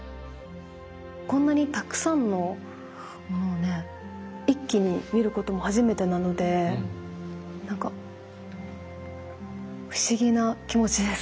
こんなにたくさんのものをね一気に見ることも初めてなのでなんか不思議な気持ちです。